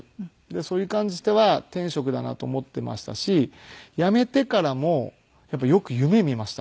それに関しては天職だなと思っていましたし辞めてからもよく夢見ました。